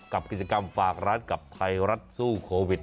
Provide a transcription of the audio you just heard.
กับกิจกรรมฝากร้านกับไทยรัฐสู้โควิด